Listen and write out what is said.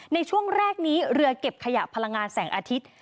ในช่วงแรกนี้เรือเก็บขยะพลังงานแสงอาทิตย์